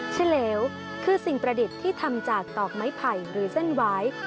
เฉลวคือสิ่งประดิษฐ์ที่ทำจากตอกไม้ไผ่หรือเส้นหวาย